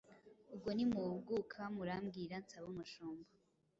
Ubwo nimuhuguka murambwira nsabe umushumba